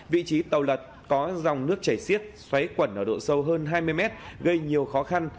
vị trí tàu lật có dòng nước chảy xiết xoáy quẩn ở độ sâu hơn hai mươi mét gây nhiều khó khăn